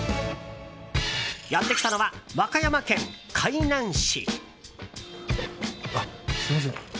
やってきたのは和歌山県海南市。